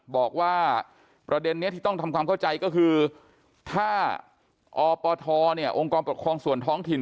บอกว่าประเด็นนี้ที่ต้องทำความเข้าใจก็คือถ้าอปทองค์กรปกครองส่วนท้องถิ่น